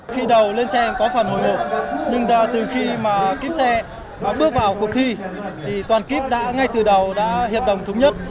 khi đầu lên xe có phần hồi hộp nhưng từ khi mà kiếp xe bước vào cuộc thi thì toàn kiếp đã ngay từ đầu đã hiệp đồng thống nhất